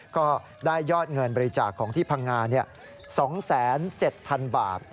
ก็ได้ยอดเงินบริจาคของที่พังงา๒๗๐๐๐บาท